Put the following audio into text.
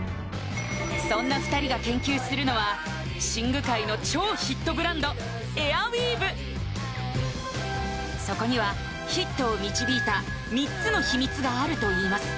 そんな２人が研究するのはエアウィーヴそこにはヒットを導いた３つの秘密があるといいます